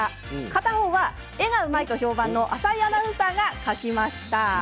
片方は、絵がうまいと評判の浅井アナウンサーが描きました。